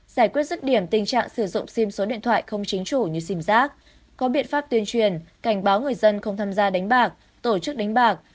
giải quyết rứt điểm tình trạng sử dụng sim số điện thoại không chính chủ như sim giác có biện pháp tuyên truyền cảnh báo người dân không tham gia đánh bạc tổ chức đánh bạc